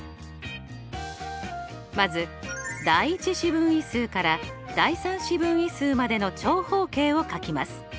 まず第１四分位数から第３四分位数までの長方形をかきます。